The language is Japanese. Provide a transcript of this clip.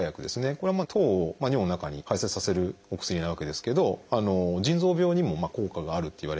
これは糖を尿の中に排せつさせるお薬なわけですけど腎臓病にも効果があるっていわれてまして。